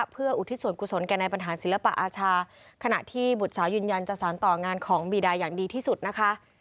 เพื่ออุทิศส่วนกุศลแก่ในบรรหารศิลปะอาชาขณะที่บุตรสาวยืนยันจะสารต่องานของบีดาอย่างดีที่สุดนะคะ